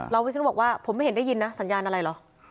วิศนุบอกว่าผมไม่เห็นได้ยินนะสัญญาณอะไรเหรอ